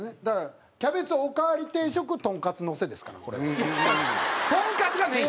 だからキャベツおかわり定食とんかつのせですからこれは。